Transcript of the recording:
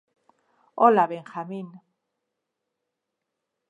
Hola, Benjamin.